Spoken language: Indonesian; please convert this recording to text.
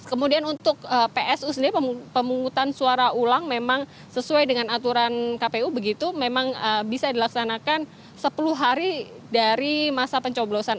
kemudian untuk psu sendiri pemungutan suara ulang memang sesuai dengan aturan kpu begitu memang bisa dilaksanakan sepuluh hari dari masa pencoblosan